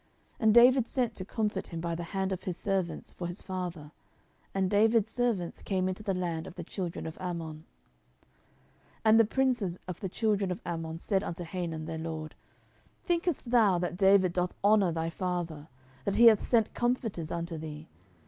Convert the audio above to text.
And David sent to comfort him by the hand of his servants for his father. And David's servants came into the land of the children of Ammon. 10:010:003 And the princes of the children of Ammon said unto Hanun their lord, Thinkest thou that David doth honour thy father, that he hath sent comforters unto thee?